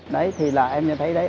đấy thì là em nhớ thấy đấy